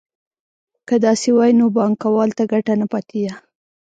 که داسې وای نو بانکوال ته ګټه نه پاتېده